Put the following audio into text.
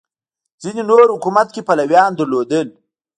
ځینې نور حکومت کې پلویان لرل